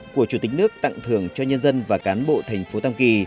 của chủ tịch nước tặng thưởng cho nhân dân và cán bộ thành phố tam kỳ